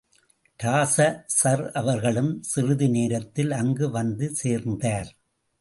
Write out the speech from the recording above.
ராஜா sir அவர்களும் சிறிது நேரத்தில் அங்கு வந்து சேர்ந்தார்.